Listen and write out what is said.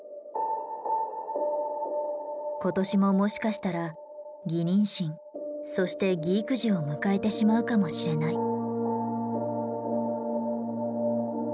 今年ももしかしたら偽妊娠そして偽育児を迎えてしまうかもしれない。